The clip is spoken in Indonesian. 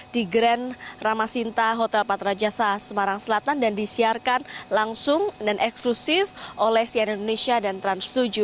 di grand ramasinta hotel patra jasa semarang selatan dan disiarkan langsung dan eksklusif oleh cnn indonesia dan trans tujuh